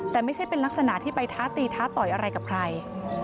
แต่ไม่ใช่เป็นลักษณะที่ไปท้าตีท้าต่อยอะไรกับใคร